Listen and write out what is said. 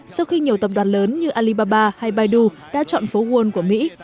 sau khi nhiều tập đoàn lớn như alibaba hay baidu đã chọn phố world của mỹ